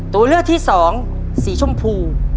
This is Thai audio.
ตัวเลือกที่สองสีชมพู